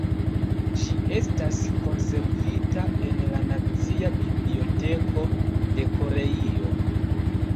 Ĝi estas konservita en la nacia biblioteko de Koreio.